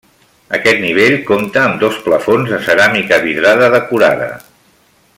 Aquest nivell compta amb dos plafons de ceràmica vidrada decorada.